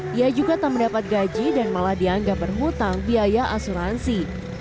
dia juga tak mendapat gaji dan malah dianggap berhutang biaya asuransi